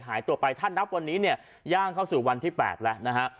หายตัวไปถ้านับวันนี้เนี่ยย่างเข้าสู่วันที่๘แล้วนะฮะ